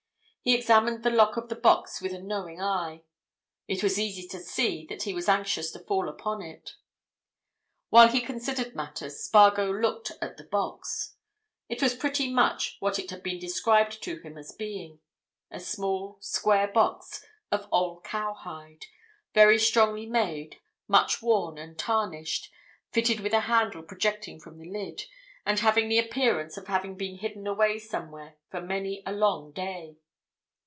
He examined the lock of the box with a knowing eye; it was easy to see that he was anxious to fall upon it. While he considered matters, Spargo looked at the box. It was pretty much what it had been described to him as being; a small, square box of old cow hide, very strongly made, much worn and tarnished, fitted with a handle projecting from the lid, and having the appearance of having been hidden away somewhere for many a long day.